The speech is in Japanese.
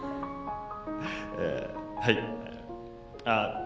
ああ。